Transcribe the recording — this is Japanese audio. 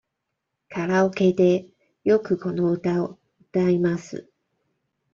カラオケでよくこの歌を歌います。